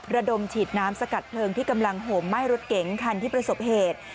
ระดมฉีดน้ำสกัดเพลิงที่กำลังโหมไหม้รถเก๋งคันที่ประสบเหตุ